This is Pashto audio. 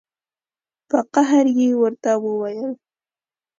په قهر یې ورته وویل.